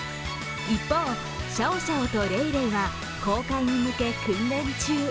一方、シャオシャオとレイレイは公開に向け訓練中。